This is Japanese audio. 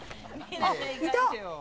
あっ、いた！